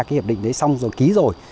cái hiệp định đấy xong rồi ký rồi